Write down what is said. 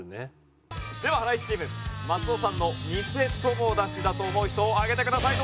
ではハライチチーム松尾さんの偽友達だと思う人を上げてください。